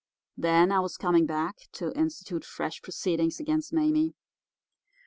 Then I was coming back to institute fresh proceedings against Mame.